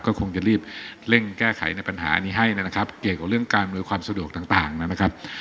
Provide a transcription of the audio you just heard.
ก็คงจะรีบเร่งแก้ไขนะปัญหาอันเนี้ยเลยนะครับ